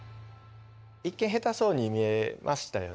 一見へたそうに見えましたよね？